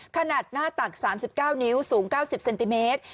ขนาดหน้าตัก๓๙นิ้วสูง๙๐เซนติเมตร